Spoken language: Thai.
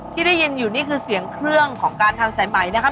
ที่ได้ยินอยู่นี่คือเสียงเครื่องของการทำสายไหมนะครับ